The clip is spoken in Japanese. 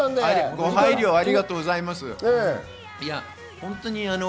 ご配慮、ありがとうございます。